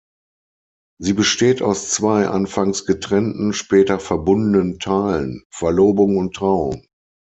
Sie besteht aus zwei anfangs getrennten, später verbundenen Teilen: Verlobung und Trauung.